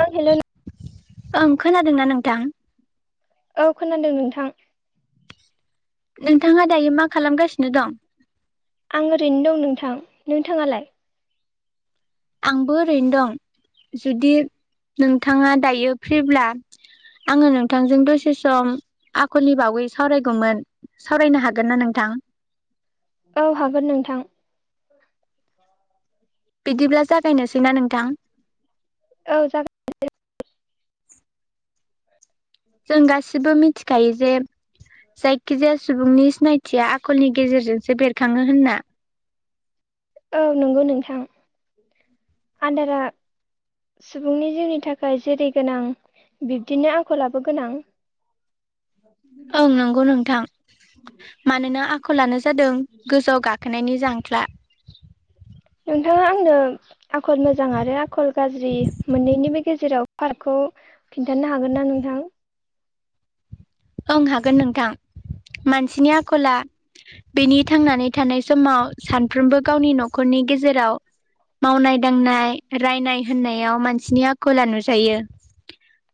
ओं हेल' ओं खोना दोंना नोंथां। औ खोनादों नोंथां। नोंथाङा दायो मा खालामगासिनो दं- आं ओरैनो दं नोंथां नोंथाङालाय आंबो ओरैनो दं जुदि नोंथाङा दायो फ्रिब्ला आङो नोंथांजों दसे सम आखलनि बावै सावरायगौमोन सावरायनो हागोन ना नोंथां? औ हागोन नोंथां। बिदिब्ला जागायनोसैना नोंथां। औ जागो [inaudible] जों गासिबो मिथिखायो जे जायखिजाया सुबुंनि सिनायथिया आखलनि गेजेरजोंसो बेरखाङो होनना। औ नंगौ नोंथां। आदारा सुबुंनि जिउनि थाखाय जेरै गोनां बिब्दिनो आखलाबो गोनां। ओं नोंगौ नोंथां मानोना आ खलानो जादों गोजौआव गाख खोनायनि जांख्ला नोंथाङा आंनो आखल मोजां आरो आखल गाज्रि मोननैनिबो गेजेराव पार्कखौ खिन्थानो हागोन ना नोंथां। ओं हागोन नोंथां मानसिनि आखला बेनि थांनानै थानाय समाव सानफ्रोमबो गावनि न'खरनि गेजेराव मावनाय दांनाय रायनाय होननायाव मानसिनि आखला नुजायो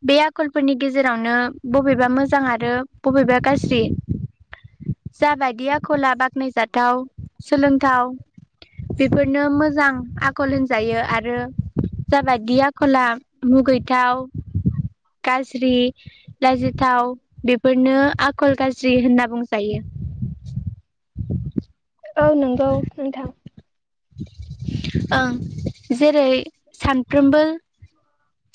बे आखलफोरनि गेजेरावनो बबेबा मोजां आर रो बबेबा गाज्रि जाबादि आखला बा खनायजाथाव सोलोंथाव बेफोरनो मोजां आखल होनजायो आरो जाबायदि आखला मुगैथाव गाज्रि लाजिथाव। बेफोरनो आखल गाज्रि होनना बुंजायो औ नंगौ नोंथां ओं जेरै सानफ्रोमबो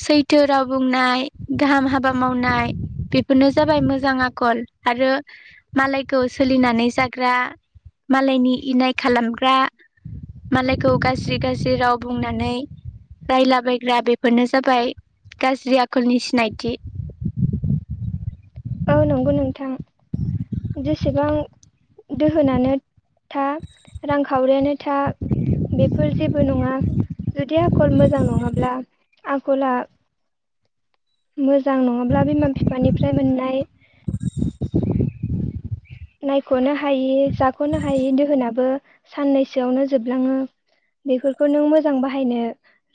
सैथो राव बुंनाय गाहाम हाबा मावनाय बेफोरनो जाबाय मोजां आखल आरो मालायखौ सोलिनानै जाग्रा मालायनि इनाय खालामग्रा मालायखौ गाज्रि गाज्रि राव बुंनानै रायला बायग्रा बेफोरनो जाबाय गाज्रि आ खलनि सिनायथि औ नंगौ नोंथां जेसेबां दोहोनानो था रांखावरियानो था बेफोर जेबो नङा जुदि आखल मोजां नङाब्ला आखला मोजां नङाब्ला बिमा फिफानिफ्राय मोननाय नायख'नो हायि जाख'नो हायि दोहोनाबो साननैसोआवनो जोबलाङो बेफोरखौ नों मोजां बाहायनो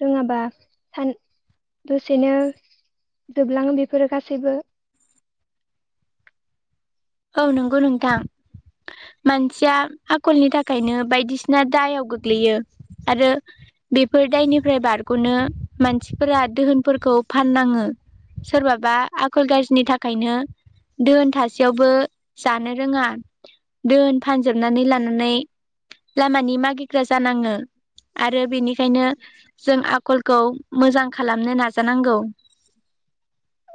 रोङाबा सान दसेनो जोबलाङो बेफोरो गासैबो औ नंगौ नोंथां मानसिया आखलनि थाखायनो बायदिसिना दायाव गोग्लैयो आरो बेफोर दायनिफ्राय बारग'नो मानसिफोरा दोहोनफोरखौ फाननाङो सोरबाबा आखल गाज्रिनि थाखायनो दोहोन थासेयावबो जानो रोङा दोन फानजोबनानै लानानै लामानि मागिग्रा जानाङो आरो बेनिखायनो जों आखलखौ मोजां खालामनो नाजानांगौ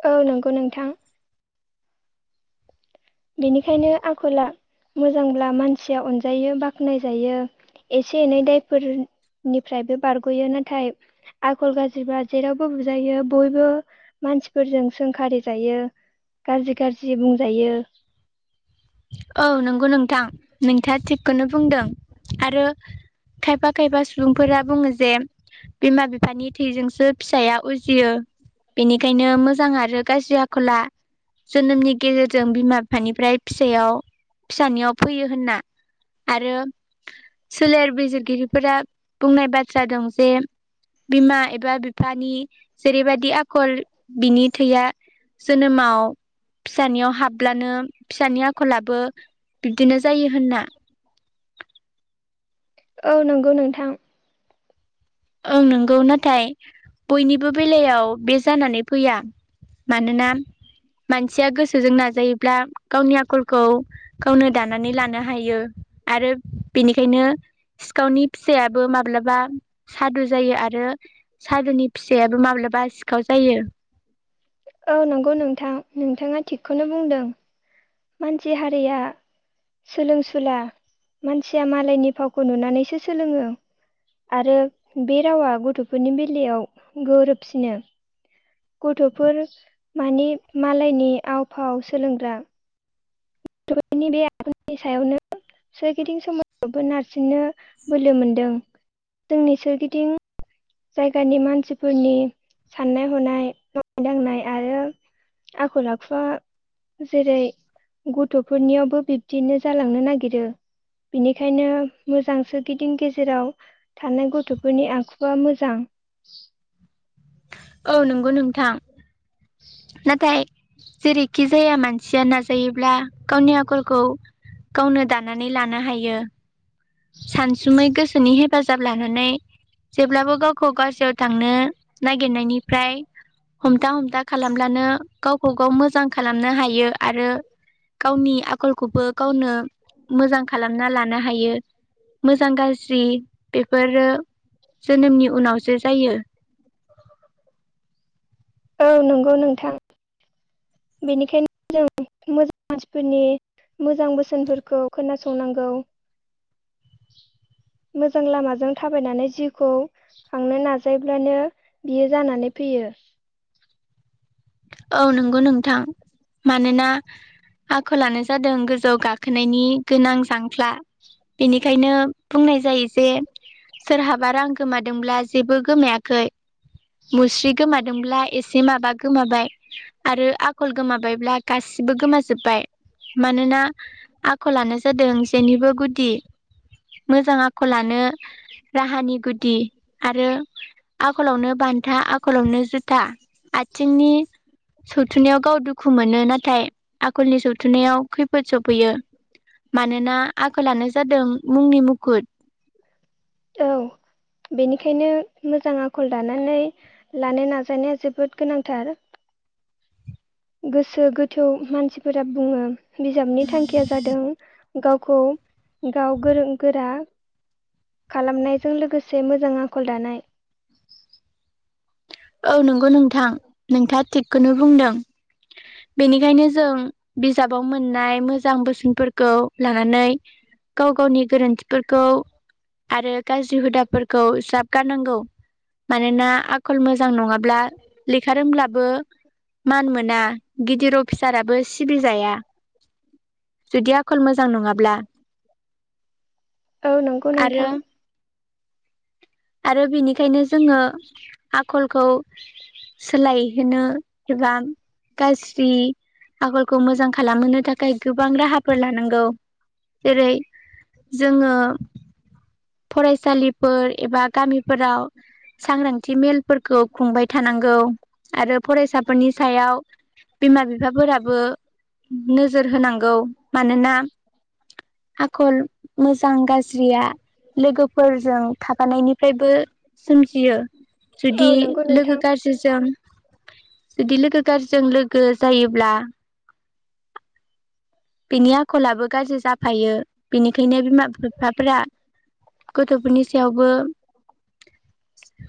ओ नंगौ नोंथां बेनिखायनो आखला मोजांब्ला मानसिया अनजायो बाख्नाय जायो एसे एनै दायफोरनिफ्रायबो बारग'यो नाथाय आखल गाज्रिब्ला जेरावबो बुजायो बयबो मानसिफोरजों सोंखारि जायो गाज्रि गाज्रि बुंजायो औ नंगौ नोंथां नोंथाङा थिगखौनो बुंदों आरो खायफा खायफा सुबुंफोरा बुङो जे बिमा बिफानि थैजोंसो फिसाया उजियो बेनिखायनो मोजां आरो गाज्रि आखला जोनोमनि गेजेरजों बिमा बिफानिफ्राय फिसायाव फिसानियाव फैयो होनना आरो सोलेर बिजिरगिरिफोरा बुंनाय बाथ्रा दं जे बिमा एबा बिफानि जेरैबायदि आखल बिनि थैया जोनोमाव फिसानियाव हाब्लानो फिसानि आखलाबो बिब्दिनो जायो होनना औ नंगौ नोंथां ओं नंगौ नाथाय बयनिबो बेलायाव बे जानानै फैया मानोना मानसिया गोसोजों नाजायोब्ला गावनि आखलखौ गावनो दानानै लानो हायो आरो बेनिखायनो सिखावनि फिसायाबो माब्लाबा सादु जायो आरो सादुनि फिसायाबो माब्ला औ नंगौ नोंथां नोंथाङा थिगखौनो बुंदों मानसि हारिया सोलोंसुला मानसिया मालायनि फावखौ नुनानैसो सोलोङो आरो बे रावा गथ'फोरनि बेलायाव गोरोबसिनो गथ'फोर माने मालायनि आव फाव सोलोंग्रा गथ'नि बे आखलनि सायावनो सोरगिदिं समावबो नारसिननो बोलो मोनदों जोंनि सोरगिदिं जायगानि मानसिफोरनि साननाय हनाय मावनाय दांनाय आरो आखल आखुवा जेरै गथ'फोरनियावबो बिब्दिनो जालांनो नागिरो बिनिखायनो मोजांसो गिदिं गेजेराव थानाय गथ'फोरनि आखुवा मो जां औ नंगौ नोंथां नाथाय जेरैखि जाया मानसिया नाजायोब्ला गावनि आखलखौ गावनो दानानै लानो हायो सानसुमै गो सोनि हेफाजाब लानानै जेब्लाबो गावखौ गाज्रियाव थांनो नागिरनायनिफ्राय हमथा हमथा खालामब्लानो गावखौ गाव मोजां खालामनो हायो आरो गावनि आखलखौबो गावनो मोजां खालामना लानो हायो मोजां गाज्रि बेफोरो जोनोमनि उनावसो जायो औ नंगौ नोंथां बेनिखायनो जों मोजां मानसिफोरनि मोजां बोसोनफोरखौ खोनासंनांगौ मोजां लामाजों थाबायनानै जिउखौ खांनो नाजायोब्लानो बियो जानानै फैयो औ नंगौ नोंथां मानोना आखलानो जादों गोजौ गाखोनायनि गोनां जांख्ला बेनिखायनो बुंनाय जायो जे सोरहाबा रां गोमादोंब्ला जेबो गोमायाखै मुस्रि गोमादोंब्ला एसे माबा गोमाबाय आरो आखल गोमाबायब्ला गासिबो गोमाजोब्बाय मानोना आखलानो जादों जेनिबो गुदि मोजां आखलानो राहानि गुदि आरो आखलावनो बान्था आखलावनो जुथा आथिंनि सौथुनायाव गाव दुखु मोनो नाथाय आखलनि सौथुनायाव खैफोद सफैयो मानोना आखलानो जादों मुंनि मुखुद औ बेनिखायनो मोजां आखल दानानै लानो नाजानाया जोबोद गोनांथार गोसो गोथौ मानसिफोरा बुङो बिजाबनि थांखिया जादों गावखौ गाव गोरों गोरा खालामनायजों लोगोसे मोजां आखल दानाय औ नंगौ नोंथां नोंथाङा थिग खौनो बुंदों बेनिखायनो जों बिजाबाव मोननाय मोजां बोसोनफोरखौ लानानै गाव गावनि गोरोन्थिफोरखौ आरो गाज्रि हुदाफोरखौ ज्राब गारनांगौ मानोना आखल मो जां नङाब्ला लेखा रोंब्लाबो मान मोना गिदिर अफिसाराबो सिबि ज जुदि आखल मोजां नङाब्ला औ नंगौ आरो नोंथां आरो बिनि बेंखायनो जोङो हा आखलखौ सोलायहोनो एबा गाज्रि आखलखौ मोजां खालामहोनो थाखाय गोबां राहाफोर लानांगौ जेरै जोङो फरायसालि फोर एबा गामिफोराव सांग्रांथि मेलफोरखौ खुंबाय थानांगौ आरो फरायसाफोरनि सायाव बिमा बिफाफोराबो नोजोर होनांगौ मानोना आखल मोजां गाज्रिया लोगोफोरजों थाबानायनिफ्रायबो सोमजियो जुदि औ नंगौ नोंथां लोगो गाज्रिजों जुदि लोगो गाज्रिजों लोगो जायोब्ला बिनि आखलाबो गाज्रि जाफायो बेनिखायनो बिमा बिफाफोरा गथ'फोरनि सायावबो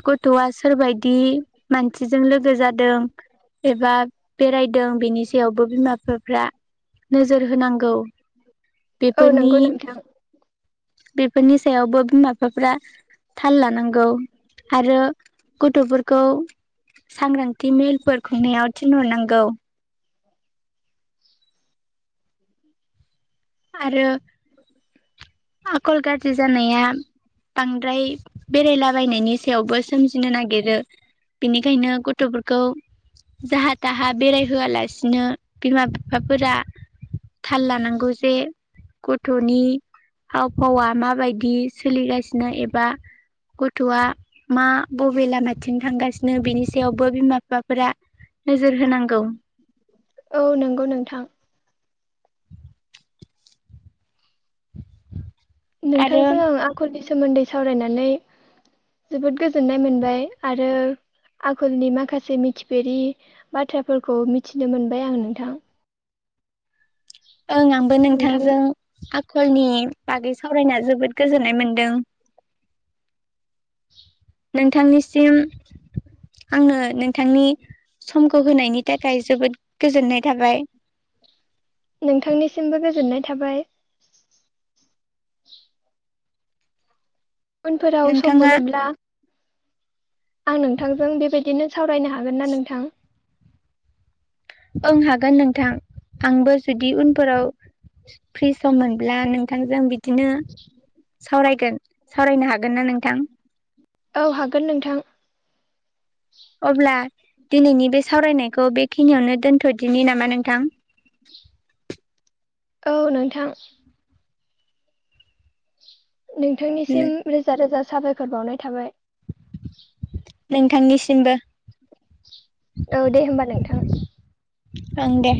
गथवा सोरबायदि दि मानसिजों लोगो जादों एबा बेरायदों बेनि सायावबो बिमा बिफाफ्रा नोजोर होनांगौ औ बेफोरनि नंगौ नोंथां बेफोरनि सायावबो माबा बिफाफ्रा थाल लानांगौ आरो गथ'फोरखौ सांग्रांथि मेलफोर खुंनायाव थिनहरनांगौ आरो आखल गाज्रि जानाया बांद्राय बेरायलाबायनायनि सायावबो सोमजिनो नागिरो बेनिखायनो गथ'फोरखौ जाहा थाहा बेरायहोआलासिनो बिमा बिफाफोरा थाल लानांगौ जे गथ'नि आव फावा माबायदि सोलिगासिनो एबा गथ'आ मा बबे लामाथिं थांगासिनो बेनि सायावबो बिमा बिफाफोरा नोजोर होनांगौ औ नंगौ नोंथां आरो नोंथांजों आं आखलनि सोमोन्दै सावरायनानै जोबोद गोजोननाय मोनबाय आरो आखलनि माखासे मिथिफेरि बाथ्राफोरखौ मिथिनो मोनबाय आं नोंथां ओं आंबो नोंथां नोंथांजों आखलनि बागै सावरायना जोबोद गोजोननाय मोनदों नोंथांनिसिम आंङो नों थांनि समखौ होनायनि थाखाय जोबोद गोजोननाय थाबाय नोंथांनिसिमबो गोजोननाय थाबाय उनफोराव सम नोंथाङा मोनोब्ला आं नोंथांजों बेबायदिनो सावरायनो हागोन ना नोंथां ओं हागोन नोंथां आंबो जुदि उनफोराव फ्रि सम मोनब्ला नोंथांजों बि बिदिनो सावरायगोन सावरायनो हागोन ना नोंथां औ हागोन नोंथां अब्ला दिनैनि बे सावरायनायखौ बेखिनियावनो दोनथ'दिनि नामा नोंथां औ नोंथां नोंथांनिसिम रोजा रोजा साबायखर बावनाय थाबाय नोंथांनिसिमबो औ दे होमबा नोंथां ओं दे